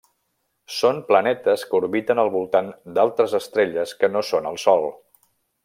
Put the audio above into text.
Són planetes que orbiten al voltant d'altres estrelles que no són el Sol.